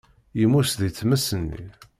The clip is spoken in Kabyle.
Yemmut deg tmes-nni.